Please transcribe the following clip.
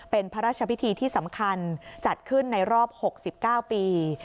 เป็นพระราชพิธีที่สำคัญจัดขึ้นในรอบ๖๙ปี